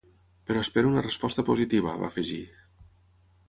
Però espero una resposta positiva, va afegir.